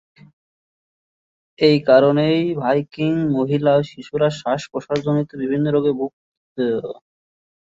এ কারণেই ভাইকিং মহিলা এবং শিশুরা শ্বাস-প্রশ্বাসজনিত বিভিন্ন রোগে ভুগতো।